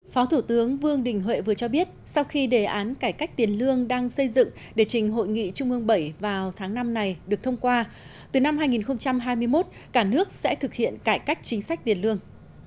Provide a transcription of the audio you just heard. phó thủ tướng vương đình huệ vừa cho biết sau khi đề án cải cách tiền lương đang xây dựng để trình hội nghị trung ương bảy vào tháng năm này được thông qua từ năm hai nghìn hai mươi một cả nước sẽ thực hiện cải cách chính sách tiền lương